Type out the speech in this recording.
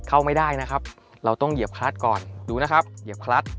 เข้าไม่ได้นะครับเราต้องเหยียบคลัดก่อนดูนะครับเหยียบคลัด